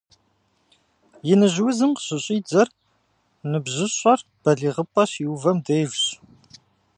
Иныжь узым къыщыщӀидзэр ныбжьыщӀэр балигъыпӀэ щиувэм дежщ.